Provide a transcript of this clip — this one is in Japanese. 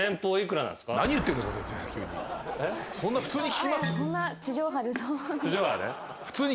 そんな普通に聞きます？